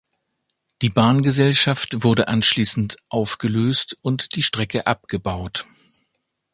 Die Bahngesellschaft wurde anschließend aufgelöst und die Strecke abgebaut.